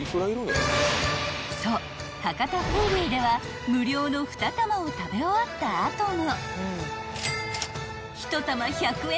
［そう博多風龍では無料の２玉を食べ終わった後も］